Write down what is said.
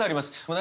何？